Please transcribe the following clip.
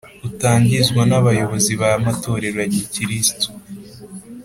utangizwa n abayobozi b amatorero ya Gikristu